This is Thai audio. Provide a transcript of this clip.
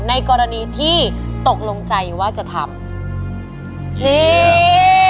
ในกรณีที่ตกลงใจว่าจะทำเพลง